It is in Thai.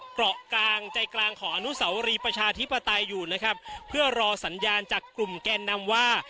เกาะกลางใจกลางของอนุสาวรีประชาธิปไตยอยู่นะครับเพื่อรอสัญญาณจากกลุ่มแกนนำว่า